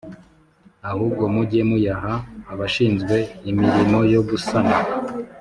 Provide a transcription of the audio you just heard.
Ahubwo mujye muyaha abashinzwe imirimo yo gusana